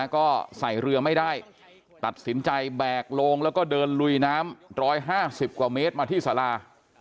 ก็ใส่เรือไม่ได้ตัดสินใจแบกโลงแล้วก็เดินลุยน้ำ๑๕๐กว่าเมตรมาที่สารา